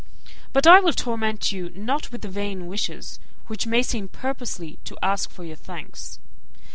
But I will not torment you with vain wishes, which may seem purposely to ask for your thanks.